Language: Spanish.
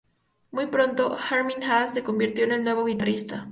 Muy pronto, Armin Haas se convirtió en el nuevo guitarrista.